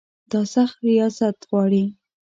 دا سخت ریاضت غواړي.